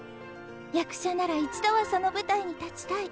役者なら一度はその舞台に立ちたい。